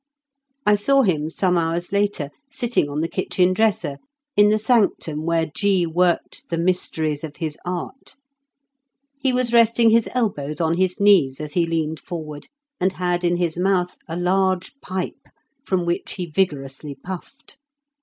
I saw him some hours later sitting on the kitchen dresser, in the sanctum where G. worked the mysteries of his art. He was resting his elbows on his knees as he leaned forward, and had in his mouth a large pipe, from which he vigorously puffed.